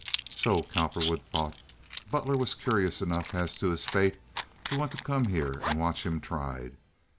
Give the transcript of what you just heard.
So, Cowperwood thought, Butler was curious enough as to his fate to want to come here and watch him tried.